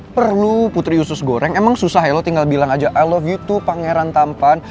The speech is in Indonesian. perlu putri usus goreng emang susah ya lo tinggal bilang aja i love you to pangeran tampan